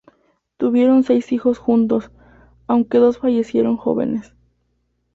Tuvieron seis hijos juntos, aunque dos fallecieron jóvenes.